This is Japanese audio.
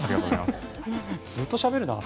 ずっとしゃべるな。